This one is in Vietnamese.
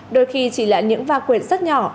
đôi khi chỉ là những va quyện rất nhỏ